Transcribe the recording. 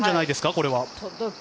これは。